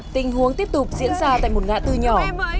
tình huống tiếp tục diễn ra tại một ngã tư nhỏ